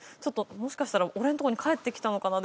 「もしかしたら俺のとこに返ってきたのかな」